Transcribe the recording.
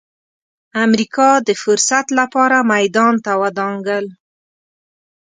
امریکا د فرصت لپاره میدان ته ودانګل.